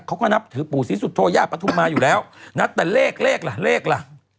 เขาก็นับถือปู่ศรีสุโธยาปฐุมาอยู่แล้วนะแต่เลขเลขล่ะเลขล่ะ